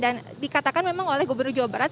dan dikatakan memang oleh gubernur jawa barat